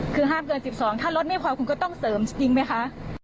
คือห้ามเกิน๑๒ถ้ารถไม่พอคุณก็ต้องเสริมจริงไหมคะ